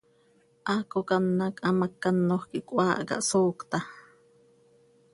¡Haaco quih an hac hamác canoj quih cöhaahca, hsoocta!